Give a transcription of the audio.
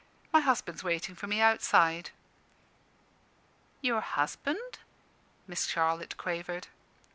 My husband's waiting for me outside." "Your husband?" Miss Charlotte quavered.